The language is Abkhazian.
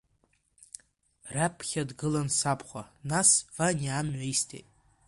Раԥхьа дгылан сабхәа, нас Ваниа амҩа исҭеит.